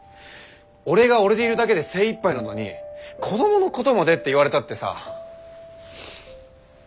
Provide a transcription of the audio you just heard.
俺が俺でいるだけで精いっぱいなのに子どものことまでって言われたってさ。